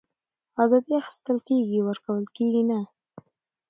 آزادي اخيستل کېږي ورکول کېږي نه